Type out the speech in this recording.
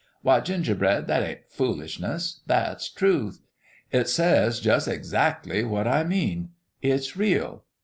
Why, Gingerbread, that ain't foolishness ; that's Truth. It says jus' 'xactly what I mean. It's real.